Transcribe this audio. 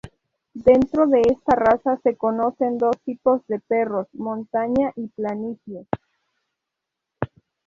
Dentro de esta raza se conocen dos tipos de perros: Montaña y Planicie.